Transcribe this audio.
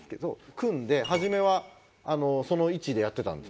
組んで初めはその位置でやってたんです。